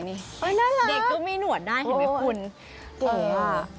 นี่เด็กก็มีหนวดได้เห็นไหมฟุ้น